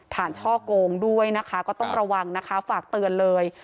ช่อโกงด้วยนะคะก็ต้องระวังนะคะฝากเตือนเลย